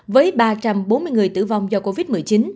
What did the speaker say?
với ba trăm bốn mươi người tử vong do covid một mươi chín